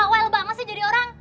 well banget sih jadi orang